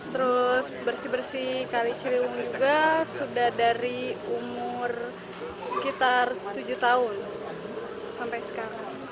terus bersih bersih kali ciliwung juga sudah dari umur sekitar tujuh tahun sampai sekarang